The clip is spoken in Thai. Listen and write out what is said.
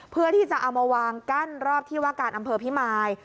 เพื่อที่จะเอามาวางกั้นรอบที่ว่าการอำเภอพิมาย